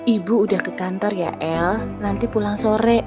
ibu udah ke kantor ya el nanti pulang sore